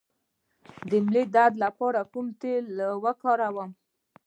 د ملا درد لپاره کوم تېل وکاروم؟